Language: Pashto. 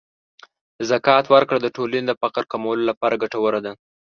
د زکات ورکړه د ټولنې د فقر کمولو لپاره ګټوره ده.